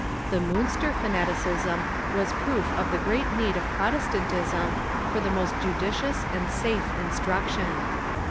The Miinster fanati cism was 2>roof of the great need of Protestantism for the most judicious and safe instruction.